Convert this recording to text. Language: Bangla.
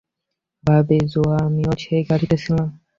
ভাবি, জোয়া, আমিও সেই গাড়িতে ছিলাম।